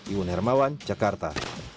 iwan hermawan jakarta